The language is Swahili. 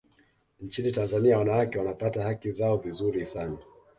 nchini tanzania wanawake wanapata haki zao vizuri sana